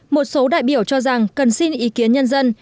một số đại biểu cho rằng cần xin ý kiến nhân dân